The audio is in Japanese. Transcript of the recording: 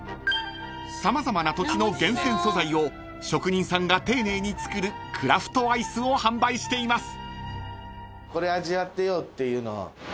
［様々な土地の厳選素材を職人さんが丁寧に作るクラフトアイスを販売しています］